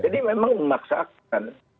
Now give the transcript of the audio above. jadi memang memaksakan